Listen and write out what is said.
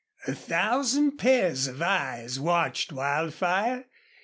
A thousand pairs of eyes watched Wildfire.